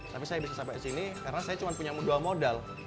tapi saya bisa sampai sini karena saya cuma punya dua modal